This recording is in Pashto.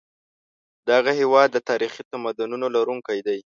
دغه هېواد د تاریخي تمدنونو لرونکی دی.